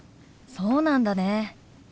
「そうなんだね。